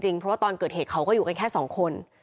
เพราะว่าตอนเกิดเหตุเขาก็อยู่กันแค่สองคน